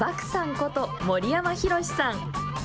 こと森山漠さん。